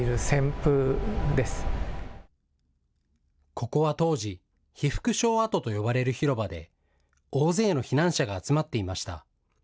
ここは当時、被服廠跡と呼ばれる広場で大勢の避難者が集まっていました。